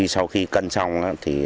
sau khi cân xong